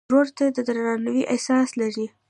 ورور ته د درناوي احساس لرې.